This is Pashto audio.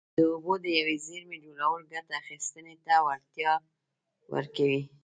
د اوبو د یوې زېرمې جوړول ګټه اخیستنې ته وړتیا ورکوي.